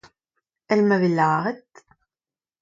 Evel ma vez lâret.